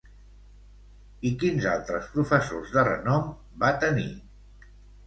I quins altres professors de renom va tenir?